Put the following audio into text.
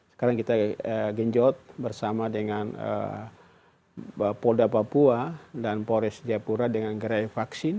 sekarang kita genjot bersama dengan polda papua dan polres jayapura dengan gerai vaksin